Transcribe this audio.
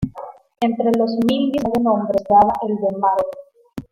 Entre los mil diecinueve nombres figuraba el de Margot.